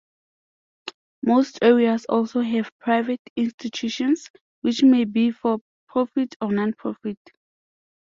Most areas also have private institutions, which may be for-profit or non-profit.